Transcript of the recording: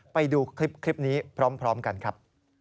ไปดูคลิปนี้พร้อมกันครับ